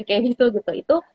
kayak gitu itu